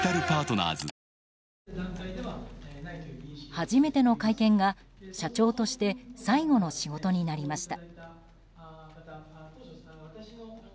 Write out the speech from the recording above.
初めての会見が、社長として最後の仕事になりました。